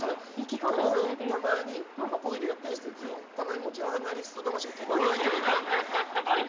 神田さん、たまにぽいでやってるんですけどたまにジャーナリスト魂が止まらない時があるの。